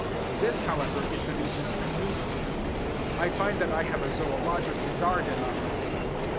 This, however, introduces a new element. I find that I have a zoological garden on my hands.